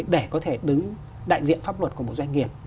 để có thể đứng đại diện pháp luật của một doanh nghiệp